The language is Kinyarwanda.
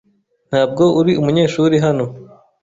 Ntabwo uri umunyeshuri hano.